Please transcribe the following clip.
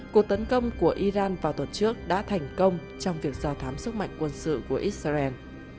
cuộc tấn công của iran vào tuần trước đã thành công trong việc do thám sức mạnh quân sự của israel